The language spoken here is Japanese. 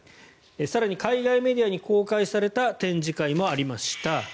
更に海外メディアに公開された展示会もありました。